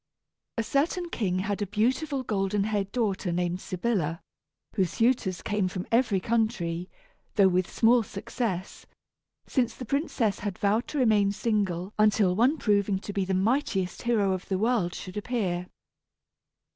A certain king had a beautiful golden haired daughter named Sybilla, whose suitors came from every country, though with small success, since the princess had vowed to remain single until one proving to be the mightiest hero of the world should appear.